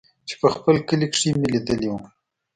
چې په خپل کلي کښې مې ليدلې وې.